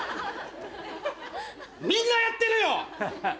みんなやってるよ！